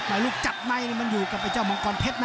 แต่ลูกจับในนี่มันอยู่กับไอ้เจ้ามังกรเพชรนะ